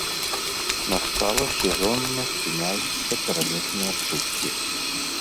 На скалах сезонна спыняюцца пералётныя птушкі.